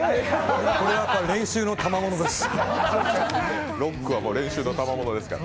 これは練習のたまものですから。